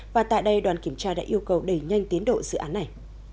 và tại đây đoàn kiểm tra đã yêu cầu đẩy nhanh tiến độ dự án này